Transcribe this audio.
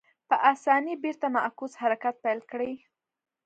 په اسانۍ بېرته معکوس حرکت پیل کړي.